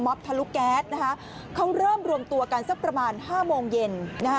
มอบทะลุแก๊สเขาเริ่มรวมตัวกันสักประมาณ๕โมงเย็น